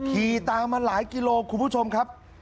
ขี่ตามมาหลายกิโลกรัมครับคุณผู้ชมครับ